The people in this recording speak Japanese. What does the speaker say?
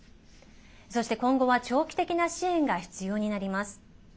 そして、今後は長期的な支援が必要になります。